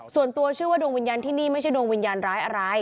ส่วนตัวเชื่อว่าดวงวิญญาณที่นี่ไม่ใช่ดวงวิญญาณร้ายอะไร